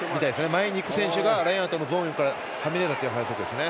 前に行く選手がラインアウトのゾーンからはみ出たという反則ですね。